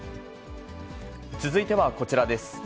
続いてはこちらです。